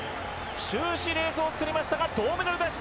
終始レースを作りましたが銅メダルです。